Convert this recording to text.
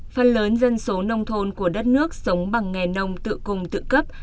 phần lớn dân số nông thôn của đất nước sống bằng nghề nông tự cùng tự cấp